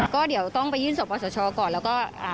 ค่ะเดี๋ยวต้องลองคุยกันดูก่อนนะคะ